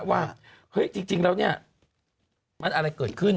ว่าเฮ้ยจริงแล้วเนี่ยมันอะไรเกิดขึ้น